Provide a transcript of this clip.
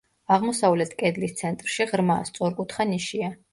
აღმოსავლეთ კედლის ცენტრში ღრმა, სწორკუთხა ნიშია.